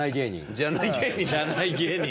じゃない芸人。